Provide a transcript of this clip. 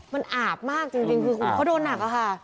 มันอาบมากจริงคือเขาโดนหนักอะค่ะ